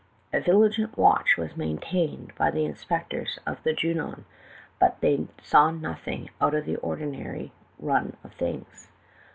"A vigilant watch was maintained by the inspectors of the Junon, but they saw nothing out of the ordinary run of things.